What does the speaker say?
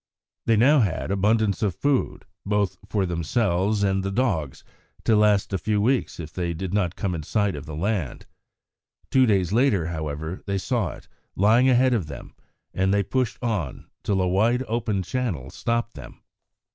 They now had abundance of food, both for themselves and the dogs, to last a few weeks if they did not come in sight of the land. Two days later, however, they saw it, lying ahead of them, and they pushed on till a wide, open channel stopped them.